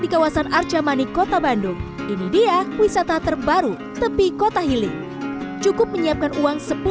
di kawasan arca mani kota bandung ini dia wisata terbaru tepi kota healing cukup menyiapkan uang